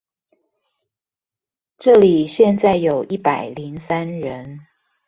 這裡現在有一百零三人